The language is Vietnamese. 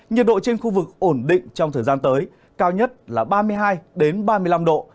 nhiệt độ trên khu vực ổn định trong thời gian tới cao nhất là ba mươi hai ba mươi năm độ